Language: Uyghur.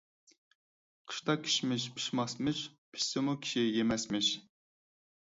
قىشتا كىشمىش پىشماسمىش، پىشسىمۇ كىشى يېمەسمىش.